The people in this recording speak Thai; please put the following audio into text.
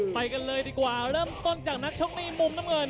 ไปกันเลยดีกว่าเริ่มต้นจากนักชกในมุมน้ำเงิน